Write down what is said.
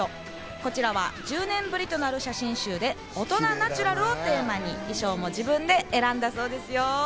こちらは１０年ぶりとなる写真集で大人ナチュラルをテーマに衣装も自分で選んだそうですよ。